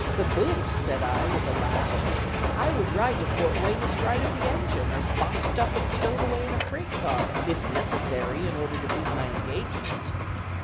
"Caboose!" said I, with a laugh, "I would ride to Fort Wayne astride of the engine, or boxed up and stowed away in a freight car, if necessary, in order to meet my engagement."